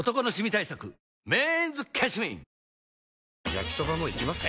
焼きソバもいきます？